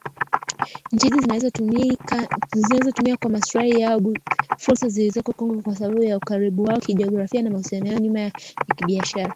Nchi hizi zinawezatumia kwa maslahi yao fursa zilizoko Kongo kwa sababu ya ukaribu wao kijografia na mahusiano ya huko nyuma ya kibiashara